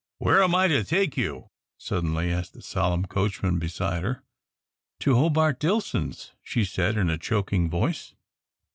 "Where am I to take you?" suddenly asked the solemn coachman beside her. "To Hobart Dillson's," she said, in a choking voice.